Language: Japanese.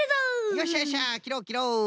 よっしゃよっしゃきろうきろう！